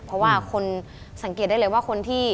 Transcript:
เพราะว่าคนสังเกตได้เลยว่าคนที่